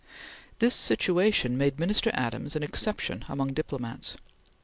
This situation made Minister Adams an exception among diplomats.